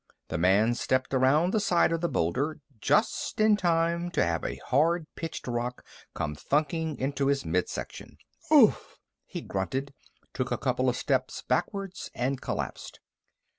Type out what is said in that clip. The man stepped around the side of the boulder just in time to have a hard pitched rock come thunking into his midsection. "Oof!" he grunted, took a couple of steps backwards, and collapsed.